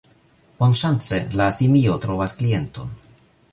Bonŝance, la simio trovas klienton.